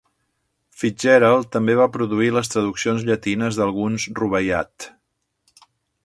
FitzGerald també va produir les traduccions llatines d'alguns rubaiyat.